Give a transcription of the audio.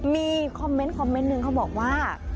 มีคอมเม้นต์นิงว่า